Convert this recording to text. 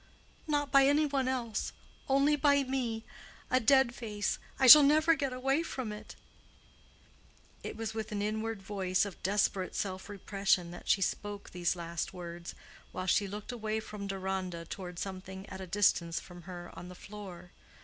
"Not by any one else—only by me—a dead face—I shall never get away from it." It was with an inward voice of desperate self repression that she spoke these last words, while she looked away from Deronda toward something at a distance from her on the floor.